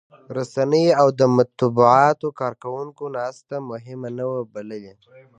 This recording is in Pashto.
رسنيو او د مطبوعاتو کارکوونکو ناسته مهمه نه وه بللې.